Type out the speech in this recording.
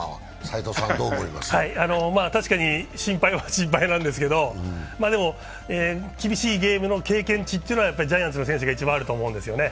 確かに心配は心配なんですけど、でも、厳しいゲームの経験値というのは、ジャイアンツの選手が一番あると思うんですよね。